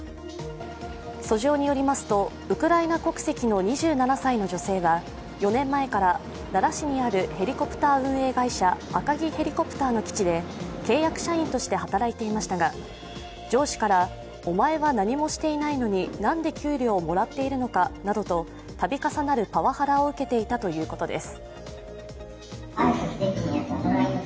訴状によりますと、ウクライナ国籍の２７歳の女性は４年前から奈良市にあるヘリコプター運営会社、アカギヘリコプターの基地で、契約社員として働いていましたが、上司から、お前は何もしていないのに何で給料をもらっているのかなどと度重なるパワハラを受けていたということです。